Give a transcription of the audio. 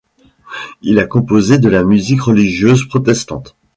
Il a composé de la musique religieuse protestante.